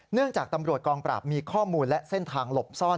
เนื่องจากตำรวจกองปราบมีข้อมูลและเส้นทางหลบซ่อน